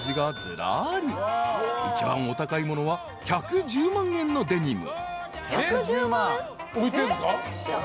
［一番お高いものは１１０万円のデニム］